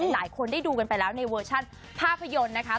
หลายคนได้ดูกันไปแล้วในเวอร์ชันภาพยนตร์นะคะ